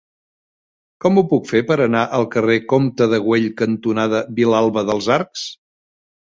Com ho puc fer per anar al carrer Comte de Güell cantonada Vilalba dels Arcs?